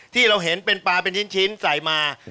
ที่เราเห็นเป็นปลาเป็นชิ้นใส่มา